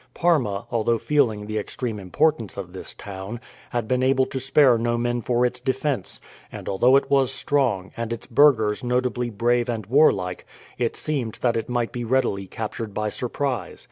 Parma, although feeling the extreme importance of this town, had been able to spare no men for its defence; and although it was strong, and its burghers notably brave and warlike, it seemed that it might be readily captured by surprise.